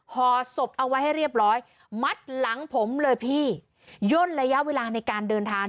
ห่อศพเอาไว้ให้เรียบร้อยมัดหลังผมเลยพี่ย่นระยะเวลาในการเดินทาง